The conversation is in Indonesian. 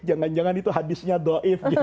jangan jangan itu hadisnya do'if